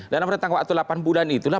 dalam rentang waktu delapan bulan itulah